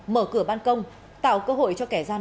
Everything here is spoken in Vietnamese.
mở cửa ban công tạo cơ hội cho kẻ gian